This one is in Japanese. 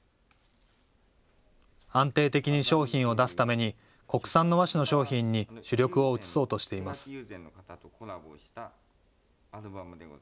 安定的に商品を出すために国産の和紙の商品に主力を移そうとしています。